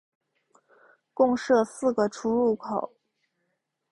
共设四个出入口。